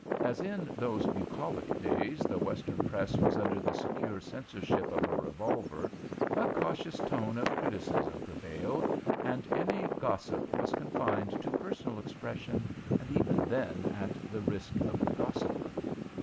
As in those bucolic days the Western press was under the secure censorship of a revolver, a cautious tone of criticism prevailed, and any gossip was confined to personal expression, and even then at the risk of the gossiper.